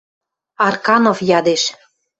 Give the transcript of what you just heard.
— Арканов ядеш.